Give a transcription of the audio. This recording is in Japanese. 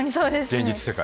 現実世界。